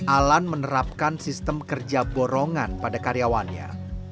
alan menerapkan sistem kerja borongan pada karyawannya